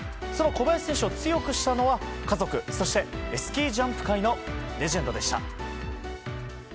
その小林選手を強くしたのは家族、そしてスキージャンプ界のレジェンドでした。